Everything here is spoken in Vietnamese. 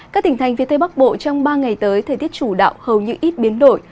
các tỉnh thành phía tây bắc bộ trong ba ngày tới thời tiết chủ đạo hầu như ít biến đổi